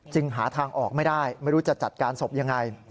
หาทางออกไม่ได้ไม่รู้จะจัดการศพยังไง